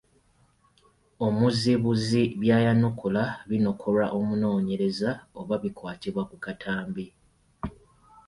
Omuzibuzi by’ayanukula binokolwa omunoonyereza oba bikwatibwa ku katambi.